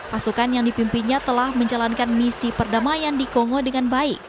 pasukan yang dipimpinnya telah menjalankan misi perdamaian di kongo dengan baik